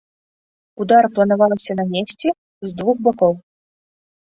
Удар планавалася нанесці з двух бакоў.